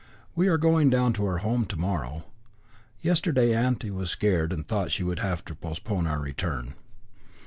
We are going down to our home to morrow. Yesterday auntie was scared and thought she would have to postpone our return."